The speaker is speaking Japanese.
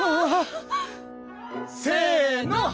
せの！